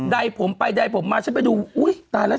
ได้ผมไปได้ผมมา